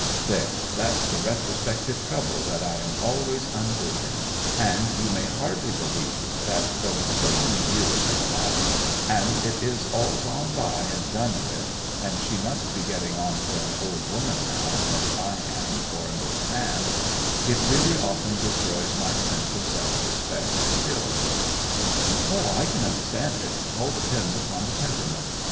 There, that's the retrospective trouble that I am always unearthing; and you may hardly believe that though so many years have elapsed, and it is all gone by and done with, and she must be getting on for an old woman now, as I am for an old man, it really often destroys my sense of self respect still.' 'O, I can understand it. All depends upon the temperament.